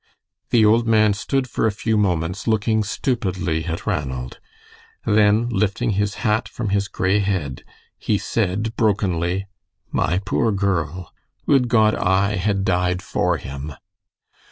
The old man stood for a few moments, looking stupidly at Ranald. Then, lifting his hat from his gray head, he said, brokenly: "My poor girl! Would God I had died for him."